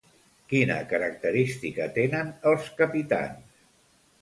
Quina característica tenen els capitans?